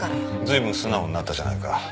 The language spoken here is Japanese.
ずいぶん素直になったじゃないか。